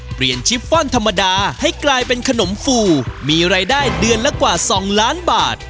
ชิปฟอนธรรมดาให้กลายเป็นขนมฟูมีรายได้เดือนละกว่า๒ล้านบาท